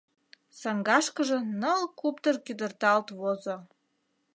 Саҥгашкыже ныл куптыр кӱдырталт возо.